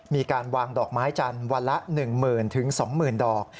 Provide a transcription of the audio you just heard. มีการวางดอกไม้จันทร์วันละ๑๐๐๐๒๐๐ดอก